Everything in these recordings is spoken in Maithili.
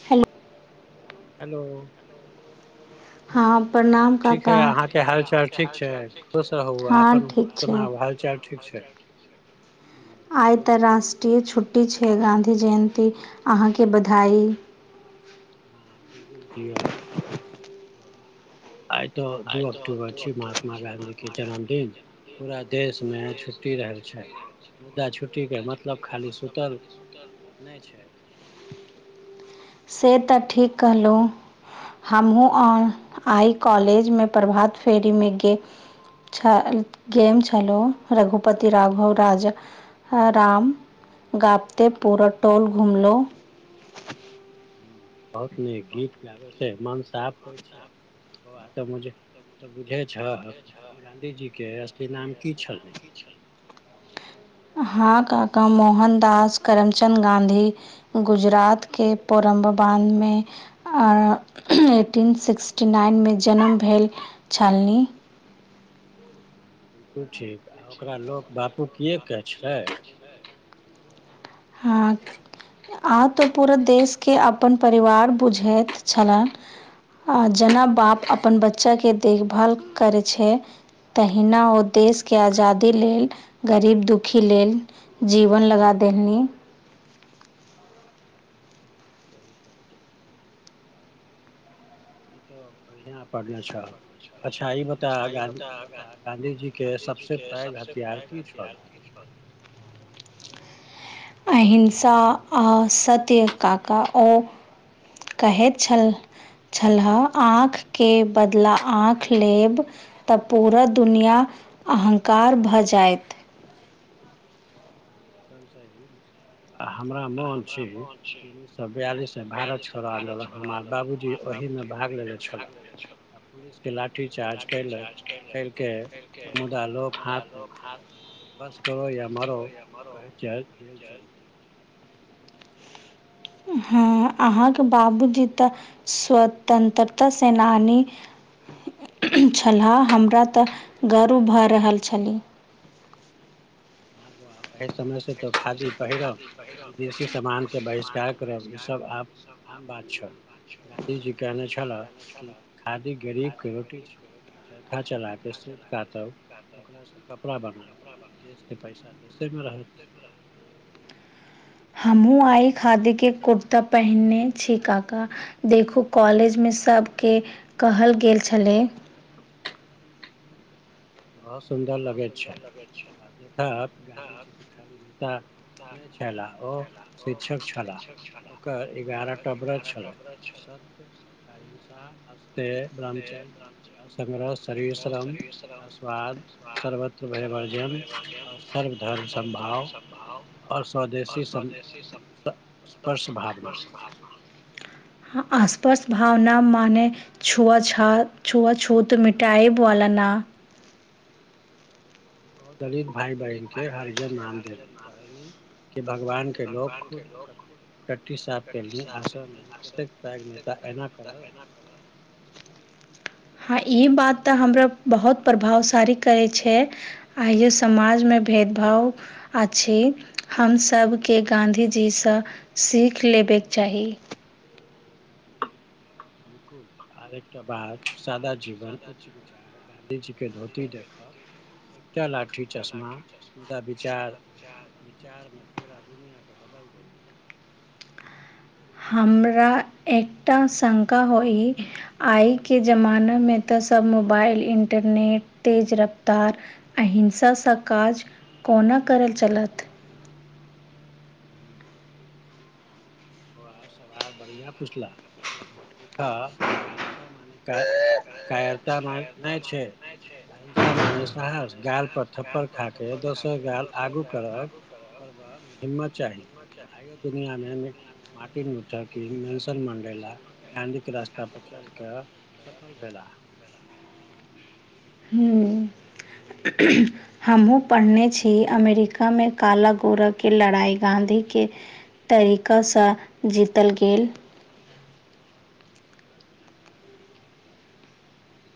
ह हेलो ह ठीक है अहाँके हाल चाल ठीक छै खुश रहू अपन सुनाउ हाल चाल ठीक छै आइत राष्ट्रीय छुट् छी छै गाँधी जयन्ती अहाँके बधाई हँ ज ज ज बआ आइ तऽ दू अक्टूबर छी महात्मा गाँधी के जन्मदिन पूरा देशमे छुट्टी रहल छै मुद्दा छुट्टीके मतलब खाली सुतल नहि छै [inaudible] से तऽ ठीक कहलहुँ हमूँ औ आइ कॉलेज मे प्रभात फेरी मे गे छल गेम छलहु रघुपति राघव राजा राम गाब्ते पूरा टोल घुमलो [inaudible] बहुत न गीत गाबै छै मन साफ होइ छै ब त मु तऽ बुझै छह गाँधीजीके असी नाम की छलै [inaudible] हँ कका मोहन दास करमचद गाधी गुजरात के पोरम् ी सिक्टीन मे जन्म भेल छलनि [inaudible] ह बिलकु ठीक आ ओकरा लोक बापू किए के छै हँ आब तऽ पूरा देशके अपन परिवार बुझैत छलनि आ जेना बाप अपन बच्चाके देखभाल करै छै तहिना ओ देश के आजादी लेल गरीब दुखी लेल जीवन लगा द देलनी स कर छै ह [unintelligible] ई त पहिने पाडने छह अच्छा ई ब अच्छा ई बता ग गाँधीजीके सबसँ पैघ हथियार किछ [inaudible] अहिंसा आ सत्य काका ओ कहैत छल छलह आँख के बदला आँख लेब तऽ पूरा दुनिया अहँकार भऽ जायत आ हमरा मन छी उन्नीस सए बयालिस मे भारत छोड़ो आंदोलन हमर बाबूजी ओहि मे भाग लेे छले आ पुलिस के चार्ज कैल कैर केऽ मुदा लोक हाथ नहि उठेलक बस करो या मरो कहचैल गेल छल हँ अहाँके बाबू जी तऽ स्वतंत्रता सेनानी छलाह हमरा तऽ गर्व भऽ रहल छली हँ बौआ एहि समय से त खादी पहिरब विदेशी समान के बहिष्कार करब ई सब आब आम बात छल गाँधी जी कहने छले कि खादी गरीब के रोटी से चरखा चला के सूत काटब ओकास से कपड़ा बनाउ जे पैसा देशेमे रहत हमहु आई खादी के कुर्ता पहिनने छी काका देखु कॉलेज में सब के कहल गेल छलै बहुत सुन्दर लगे छै आ देखा गाँधी जी के खाली नेता नहि छला ओ शिक्षक छलाह ओकर एगारह टा व्रत छले सत्य अहिंसा्त ब्र्मचर्य्रह शश्रम [unintelligible] अस्वाद सर्वत्र भयवर्जन और सर्व धर्म समभाव और स्वदेशी समस्पर्श भावना आस्पर्श भावना मानेछो छुआ छा छुआ छू तऽ मिठाइब वाला ना ओ दलित भाय बहिन के हरजन नाम देलि कह नी भगवान के लोक खुद ओकर ट्टी साफ के लि आश्रम मे कतेक पैघ नेता एना करत ह ई बात तऽ हमरा बहुत प्रभावशाली करे छै इहे समाज मे भेल भेदभाव अछि हम सभके गाँंधीजीसँ सीख लेबे के चाही बिलकुल आर एकटा बात सादा जीवन उच्च विचार गाँधीजी के धोती देखब एकटा लाठी चश्मा मुदा विचार विचारमे पूरा दुनिया के बदल दै हमरा एकटा शंका होइ आइ के जमानामे तऽ सब मोबाइल इंटरनेट तेज रफ्तार अहिंसा शक्त काज कोना करल चलत बौआ सवाल बढ़िआ पूछला लेकिन देखा अहिंसा मान क कायर एकटा मार्ग नहि छै अहिंसा माने साहस गाल पर थप्पर खाके दोसर गाल आगू करब करबामे हिम्मत चाही आइेयो दुनियामे मार्टिन लुथर की मनसेन मंडेला गानधीके रास्ता पर चल के सफल भेला [inaudible] हूं हमहुँ पढ़ने छी अमेरिकामे काल गोरा के लड़ाई गाँंधी के तरीकासँ जीतल गेल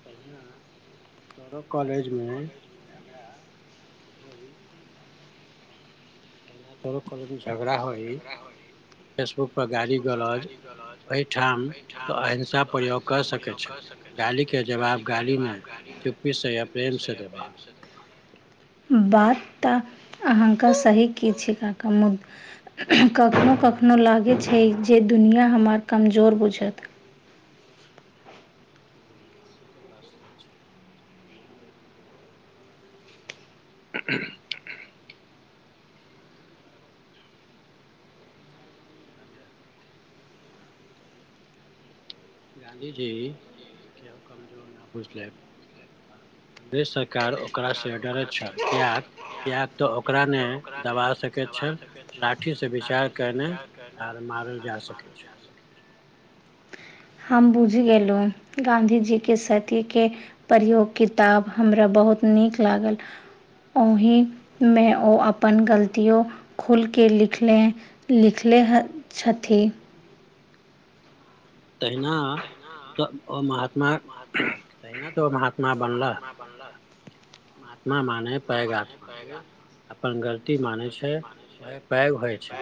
तहिना तोरो कॉलेजमे झगड़ा ओहि एना तोड़ा काॅलेज मे झगड़ा होइ फेसबुक पर गाड़ी गलौज अहि ठाम तऽ अहिंसा प्रयोग कऽ सकैत छै गाली के जवाब गाली ने चुप्पी से या प्रेम से देबाह बात अहंक सही की छिकाका मु कखनो कखनो लागे छै जे दुनिआ हमर कमजोर बुझत से तऽ बाजै छै [inaudible] [unintelligible] गाँधी जी के कमजोर न बूझ लेब अंग्रेज सरकार ओकरा सेडरैत छल क्य तऽ ओकरा अपने दबा सकैत छल लाठी से विचार केने आर मर जा सके छै हम बुझि गेलुं गाधीजी के सतीक के प्रयोग किताब हमरा बहुत नीक लागल ओहिमे ओ अपन अपन गलतियो खोलिक लिखले लिखले ह छथि तहिना तऽ ओ महाॅंत्मा तहिना तो महात्मा बनला महात्मा मने पैघाात पहुचे अपन गलती माने छै ओह पैघ होइ छै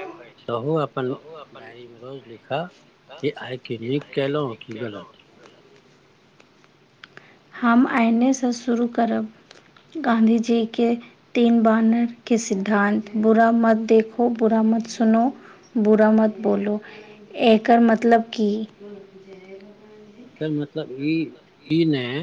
तहुू अपन डायरी मे रोज लिखा कि आइ क नीक कलहु की गलत हम आइनेसँ शुरू करब गाँंधीजी के तीन बानर के सिद्धानत बुरा मत देखो बुरा मत मत सुनो बुरा मत बोलो एकर मतलब की जे त मतलब ई ई नहि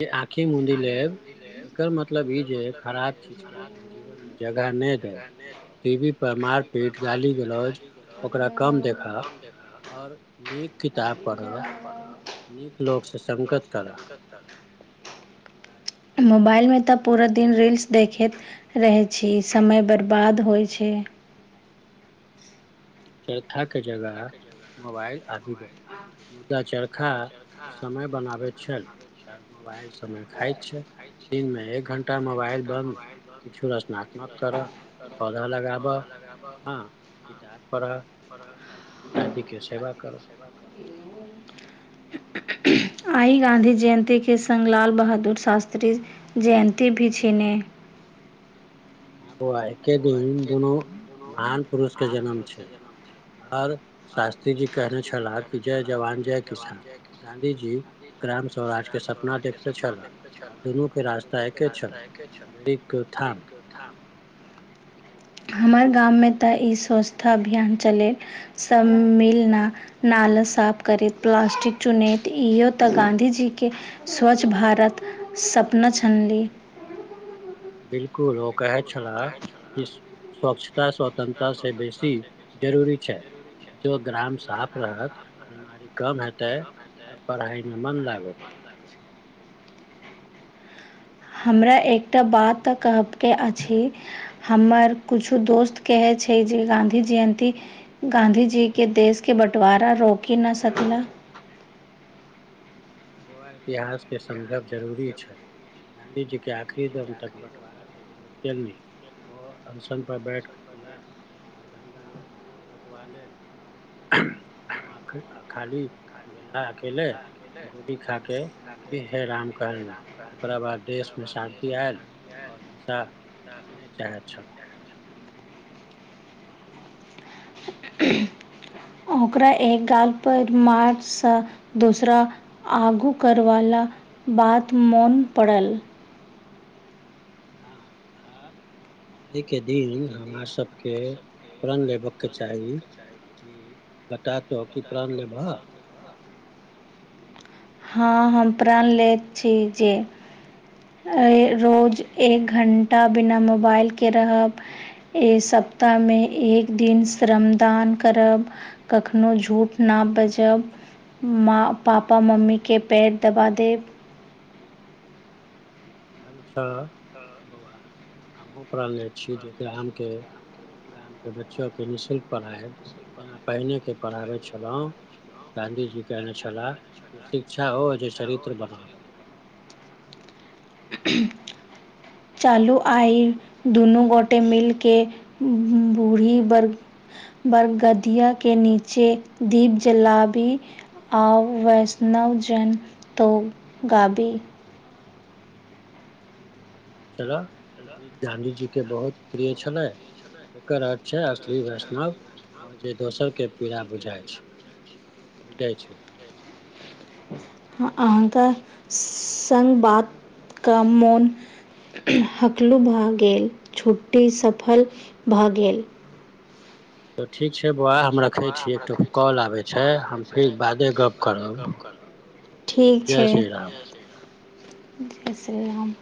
जे आंखी मुूँदी लेब एकर मतलब ई जे खराब चीज के अपन जीवन मे ज [unintelligible] आओर नीक किताब पढ़ब नीक लोक से संगत कर मोबाइलमे तऽ पूरा दिन रील्स देखैत रहैत छी समय बर्बाद होइ छै चरखा के जगह मोबाइल आ गेल मुदा चरखा समय बनाबैत छल आ मोबाइल समय खाइत छै दिनमे एक घण्टा मोबाइल बन्द किछु रचनात्मक कर पौधा लगाबऽ हॅं किताब र दादी के सेवा करू [inaudible] आइ गाँधी जयन्ती के सङ्ग लाल बहादुर शास्त्री जयन्ती भी छने हँ बौआ एकके दिन दुनू महान पुरुष के जन्म छै आओर शास्त्री जी कहने छलाह कि जय जवान जय किसान गाँधी जी ग्राम स्वरा सपना देखने छला आ दुनू के रास्ता एके छल गरी एक ठाम [inaudible] हमर गाममे तऽ ई स्वच्छता अभियान चलैत सभ मिलना नहि आल साफ करैत प्लासटिक चुनैत इहो तऽ गाँधी ज के स्वच्छ भारत सपना छली बिलकुल ओ कहै छला कि स्वच्छता तंत्रता से बेसी जरूरी छै जो ग्राम साफ रहत बिीमारी कम हेतै आर पढ़ाइमे मन लागत हमरा एकटा बात कहब के अछि हमर कुछो दोस्त केे छै जे गाँधी जयन्ती गाँधीजी के देश के बंटवारा रोकोकि न सकला [inaudible] गोआ इतिहास के समझब जरूरी छै गाँधी जी के आखिरी दम तक बँटवारा के विरोध केलने ओ अनशन पर बैठ क खेला आओर दंगा रुकबा लेल खाली ग अेल गोली खा के भी है राम कहणी ओकरा बाद देश मे शान्तति आयल ओ हिंसा नहि च छल ओकरा एक गाल पर मार सा दूसरा आगू करवा बात मोन पड़ल हँ ह आइ के दिन हमरा सबके प्रण लेबकके चाही क बता तो की प्रण लेबा हँ हम प्राण लैत छी जे रोज एक घण्टा बिना मोबाइलके रहब एहि सप्ताह मे एक दिन श्रमदान करब कखनो झूठ न बजब पापा मम्मी के पेर दबा दे छ बौआ हमहुँ पालने छी जे ग्राम के गामके बच्चोकेँ निःशुल्क पढ़ाइ जेना पहिनेके पढ़ाबै छलहुँ गाँधीजी कहने छला शिक्षा हो जे चरित्र बनाबै [inaudible] चालू आइ दुनू गोटे मिलके बूढ़ी बर्ग बरगदिया के नीचे दीप जलाबी आवैष्णो नओ जन तो गाबी गाँधीजी के बहुत प्रिय छल ने एकर अर्थ छै अश्लील वैष्णव आओ जे दोसर के पीड़ा बुझाइत छै बुझइ छै अहाँके सङ्ग बातके मोन हकलू भए गेल छुट्टी सफल भए गेल तऽ ठीक छै वाह हम रखै छी एकठो कॉल आबै छै हम फिर बादे गप करब ठीक छै जय श्री राम